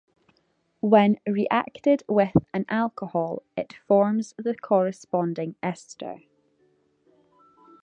When reacted with an alcohol, it forms the corresponding ester.